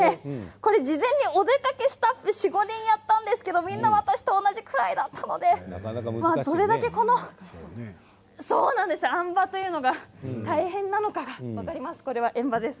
これ、事前にお出かけスタッフ４、５人やったんですがみんな私と同じぐらいだったのであん馬というのが大変なのかが分かります。